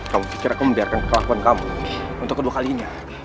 kamu pikir aku membiarkan kelakuan kamu untuk kedua kalinya